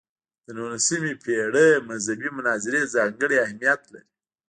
د نولسمې پېړۍ مذهبي مناظرې ځانګړی اهمیت لري.